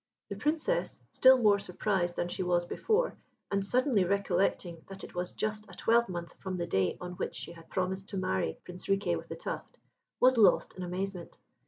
The Princess, still more surprised than she was before, and suddenly recollecting that it was just a twelvemonth from the day on which she had promised to marry Prince Riquet with the Tuft, was lost in amazement.